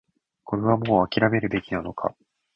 これはもう諦めるべきなのか